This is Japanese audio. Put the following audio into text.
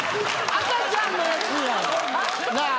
赤ちゃんのやつやん。なあ。